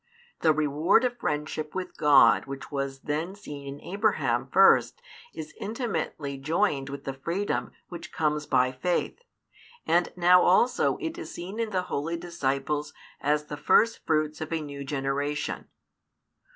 The reward of friendship with God which was then seen in Abraham first is intimately conjoined with the freedom which comes by faith, and now also it is seen in the holy disciples as the firstfruits of a new generation.